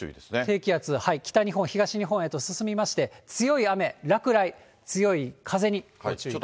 低気圧、北日本、東日本へと進みまして、強い雨、落雷、強い風にご注意ください。